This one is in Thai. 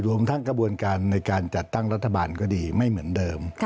รวมทั้งกระบวนการในการจัดตั้งรัฐบาลก็ดีไม่เหมือนเดิม